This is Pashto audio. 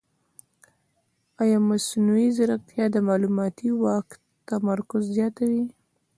ایا مصنوعي ځیرکتیا د معلوماتي واک تمرکز نه زیاتوي؟